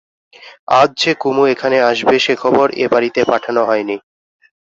আজ যে কুমু এখানে আসবে সে খবর এ বাড়িতে পাঠানো হয় নি।